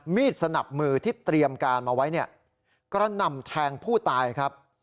มีดสนับมือที่เตรียมการมาไว้ก็นำแทงผู้ตายครับ